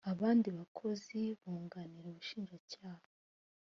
abandi bakozi bunganira ubushinjacyaha